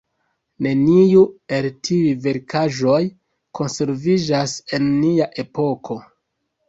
Neniu el tiuj verkaĵoj konserviĝas en nia epoko.